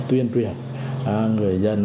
tuyên truyền người dân